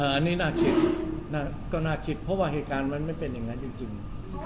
อันนี้น่าคิดก็น่าคิดเพราะว่าเหตุการณ์มันไม่เป็นอย่างนั้นจริง